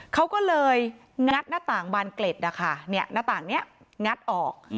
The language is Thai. เขาก็เลยงัดหน้าต่างบานเกล็ดนะคะหน้าต่างนี้งัดออก